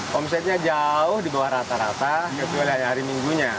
kompetenya jauh dibawah rata rata hanya hari minggunya